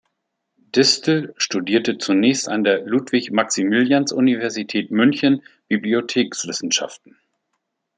Distel studierte zunächst an der Ludwig-Maximilians-Universität München Bibliothekswissenschaften.